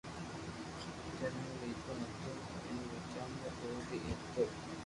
جنم لآدو ھتو اي ري وجھ مون اوري ايتو